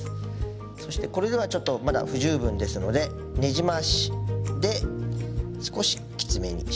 そしてこれではちょっとまだ不十分ですのでネジ回しで少しきつめに締めていきます。